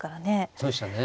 そうでしたね。